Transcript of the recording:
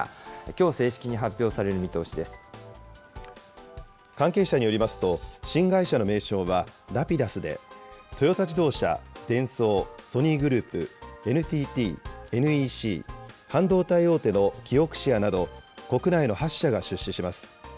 きょう正式に発表される見通しで関係者によりますと、新会社の名称はＲａｐｉｄｕｓで、トヨタ自動車、デンソー、ソニーグループ、ＮＴＴ、ＮＥＣ、半導体大手のキオクシアなど、国内の８社が出資します。